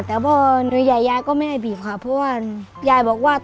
แต่พอหรือยายยายก็ไม่ได้บีบค่ะเพราะว่ายายบอกว่า